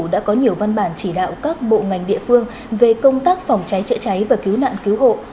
đã có nhiều văn bản chỉ đạo các bộ ngành địa phương về công tác phòng cháy chữa cháy và cứu nạn cứu hộ